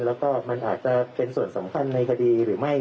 แล้วก็มันอาจจะเป็นส่วนสำคัญในคดีหรือไม่